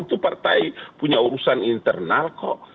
itu partai punya urusan internal kok